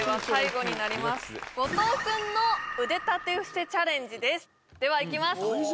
後藤君の腕立て伏せチャレンジですではいきます